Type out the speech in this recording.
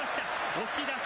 押し出し。